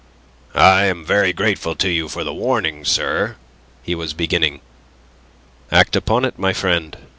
"I am very grateful to you for the warning, sir..." he was beginning. "Act upon it, my friend.